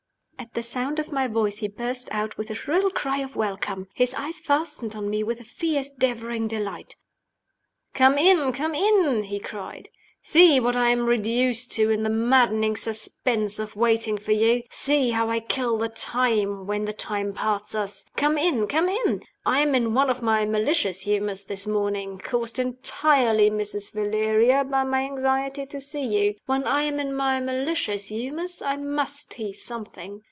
At the sound of my voice he burst out with a shrill cry of welcome. His eyes fastened on me with a fierce, devouring delight. "Come in! come in!" he cried. "See what I am reduced to in the maddening suspense of waiting for you. See how I kill the time when the time parts us. Come in! come in! I am in one of my malicious humors this morning, caused entirely, Mrs. Valeria, by my anxiety to see you. When I am in my malicious humors I must tease something.